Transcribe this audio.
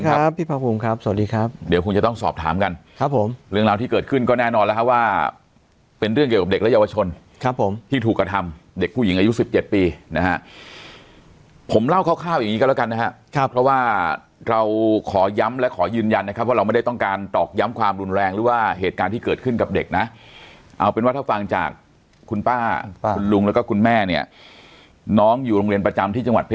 สวัสดีครับพี่ภาคภูมิครับสวัสดีครับเดี๋ยวคุณจะต้องสอบถามกันครับผมเรื่องราวที่เกิดขึ้นก็แน่นอนแล้วว่าเป็นเรื่องเกี่ยวกับเด็กและเยาวชนครับผมที่ถูกกระทำเด็กผู้หญิงอายุสิบเจ็ดปีนะฮะผมเล่าคร่าวอย่างงี้ก็แล้วกันนะฮะครับเพราะว่าเราขอย้ำและขอยืนยันนะครับว่าเราไม่ได้ต้องการตอกย้ำความ